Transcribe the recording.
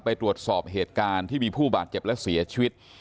ไปตรวจสอบเหตุการณ์ที่มีผู้บาดเจ็บและเสียชีวิต